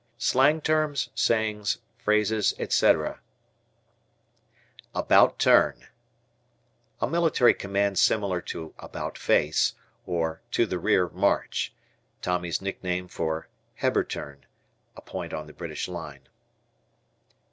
SLANG TERMS, SAYINGS, PHRASES, ETC. A "About turn." A military command similar to "About face" or "To the rear, march." Tommy's nickname for Hebuterne, a point on the British line.